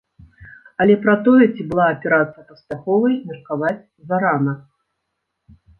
Але пра тое, ці была аперацыя паспяховай, меркаваць зарана.